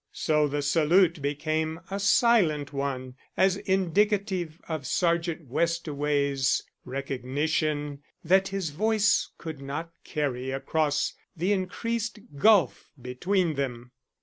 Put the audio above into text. So the salute became a silent one as indicative of Sergeant Westaway's recognition that his voice could not carry across the increased gulf between them.